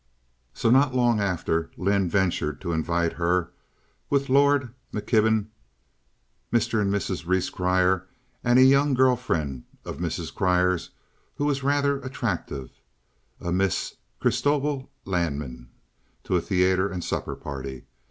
So not long after, Lynde ventured to invite her, with Lord, McKibben, Mr. and Mrs. Rhees Grier, and a young girl friend of Mrs. Grier who was rather attractive, a Miss Chrystobel Lanman, to a theater and supper party.